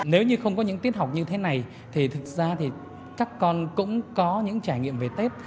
nếu như không có những tiết học như thế này thì thực ra thì các con cũng có những trải nghiệm về tết